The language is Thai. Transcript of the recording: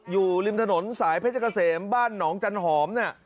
อยู่ริมถนนสายเพชรกะเสมบ้านหนองจันหอม